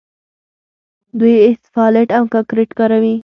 دوی اسفالټ او کانکریټ کاروي.